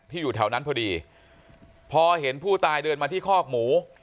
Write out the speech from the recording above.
อยู่แถวนั้นพอดีพอเห็นผู้ตายเดินมาที่คอกหมู